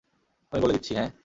আমি বলে দিচ্ছি হ্যাঁঁ।